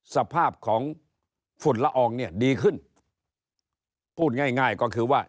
สภาพของฝุ่นละอองเนี่ยดีขึ้นพูดง่ายง่ายก็คือว่า